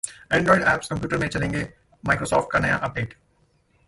Android apps computer में चलेंगे, Microsoft का नया अपडेट